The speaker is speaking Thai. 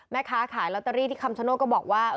แม่ค้าขายลอตเตอรี่ที่คำชโนธก็บอกว่า